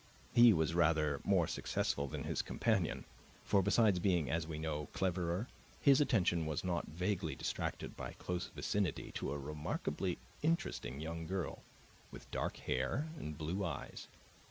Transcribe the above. He was rather more successful than his companion; for besides being, as we know, cleverer, his attention was not vaguely distracted by close vicinity to a remarkably interesting young girl, with dark hair and blue eyes.